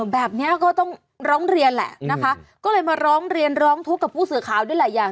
แบบนี้ก็ต้องร้องเรียนแหละนะคะก็เลยมาร้องเรียนร้องทุกข์กับผู้สื่อข่าวด้วยหลายอย่าง